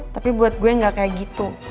tapi buat gue gak kayak gitu